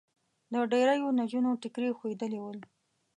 د ډېریو نجونو ټیکري خوېدلي ول.